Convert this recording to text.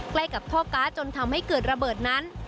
ใกล้กับท่อการ์ดจนทำให้เกิดระเบิดนั้น